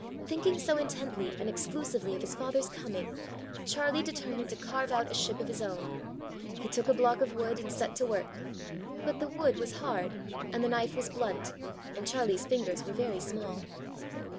Thinking so intently and exclusively of his father's coming, Charlie determined to carve out a ship of his own. He took a block of wood, and set to work. But the wood was hard, and the knife was blunt, and Charlie's fingers were very small.